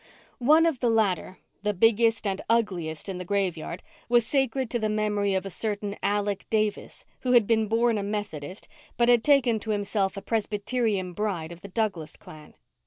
One of the latter, the biggest and ugliest in the graveyard, was sacred to the memory of a certain Alec Davis who had been born a Methodist but had taken to himself a Presbyterian bride of the Douglas clan.